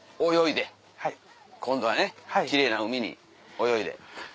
今度はね奇麗な海に泳いで。